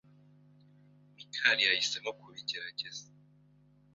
Mikali yahisemo kubigerageza.